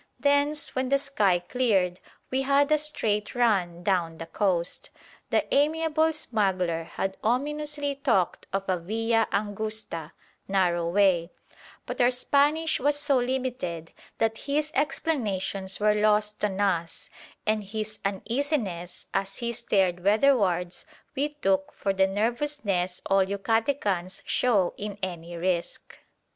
Thence, when the sky cleared, we had a straight run down the coast. The amiable smuggler had ominously talked of a via angusta (narrow way); but our Spanish was so limited that his explanations were lost on us, and his uneasiness, as he stared weatherwards, we took for the nervousness all Yucatecans show in any risk.